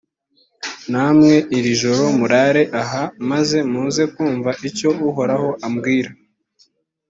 namwe iri joro murare aha, maze muze kumva icyo uhoraho ambwira.